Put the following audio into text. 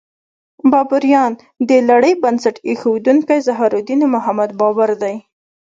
بابریان: د لړۍ بنسټ ایښودونکی ظهیرالدین محمد بابر دی.